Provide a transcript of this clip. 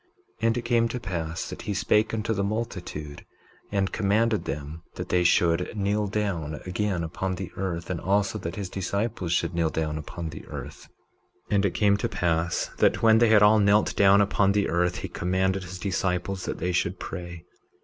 19:16 And it came to pass that he spake unto the multitude, and commanded them that they should kneel down again upon the earth, and also that his disciples should kneel down upon the earth. 19:17 And it came to pass that when they had all knelt down upon the earth, he commanded his disciples that they should pray.